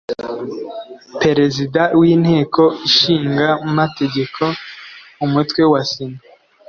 Perezida w’Inteko Ishinga Amategeko umutwe wa Sena